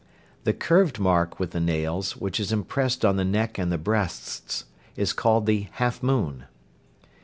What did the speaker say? The curved mark with the nails, which is impressed on the neck and the breasts, is called the "half moon."